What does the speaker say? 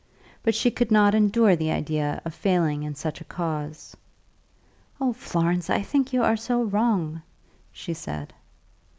But she could not endure the idea of failing in such a cause. "Oh, Florence, I think you are so wrong," she said.